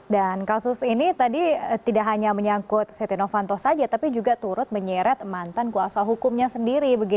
dan kasus ini tadi tidak hanya menyangkut seti novanto saja tapi juga turut menyeret mantan kuasa hukumnya sendiri